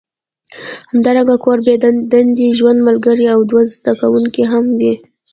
همدارنګه کور کې بې دندې ژوند ملګری او دوه زده کوونکي هم وي